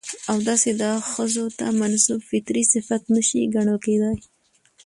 او داسې دا ښځو ته منسوب فطري صفت نه شى ګڼل کېداى.